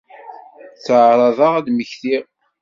Ttaɛraḍeɣ ad d-mmektiɣ.